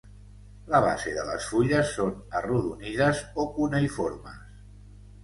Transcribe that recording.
La base de les fulles són arrodonides o cuneïformes.